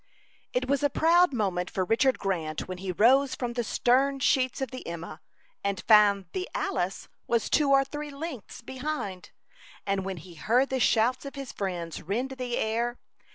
It was a proud moment for Richard Grant when he rose from the stern sheets of the Emma, and found the Alice was two or three lengths behind, and when he heard the shouts of his friends rend the air.